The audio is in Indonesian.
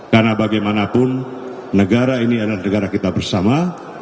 karena bagaimanapun negara ini adalah negara kita bersama